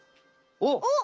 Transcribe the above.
おっ！